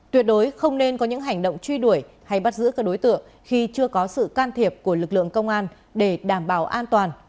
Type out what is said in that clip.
tuyệt đối không nên có những hành động truy đuổi hay bắt giữ các đối tượng khi chưa có sự can thiệp của lực lượng công an để đảm bảo an toàn